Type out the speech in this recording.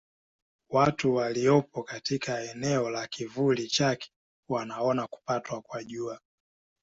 Watu waliopo katika eneo la kivuli chake wanaona kupatwa kwa Jua.